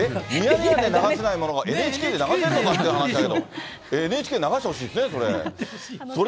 ミヤネ屋で流せないものが、ＮＨＫで流せるのかという話なんですけど、ＮＨＫ流してほしいですね、それ。